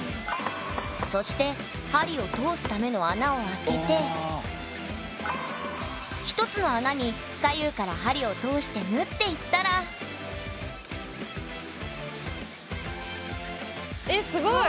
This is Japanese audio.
そして針を通すための穴を開けて１つの穴に左右から針を通して縫っていったらえっすごい。